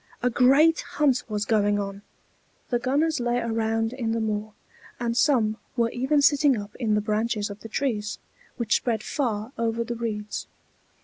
A great hunt was going on. The gunners lay around in the moor, and some were even sitting up in the branches of the trees, which spread far over the reeds.